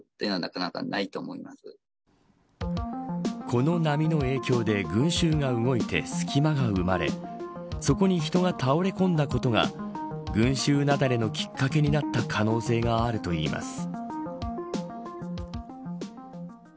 この波の影響で群衆が動いて隙間が生まれそこに人が倒れこんだことが群衆雪崩のきっかけになった可能性があるといいます。